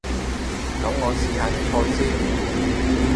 噉我試下啲菜先